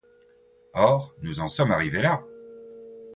Or, nous en sommes arrivés là!